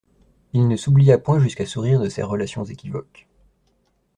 Il ne s'oublia point jusqu'à sourire de ces relations équivoques.